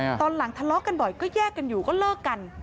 ตอนหลังทะเลาะกันบ่อยก็แยกกันอยู่ก็เลิกกัน